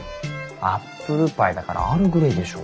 アップルパイだからアールグレイでしょ。